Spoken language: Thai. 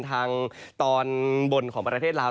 ทางตอนบนของประเทศลาว